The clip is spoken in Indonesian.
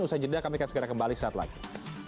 usaha jeda kami akan segera kembali saat lain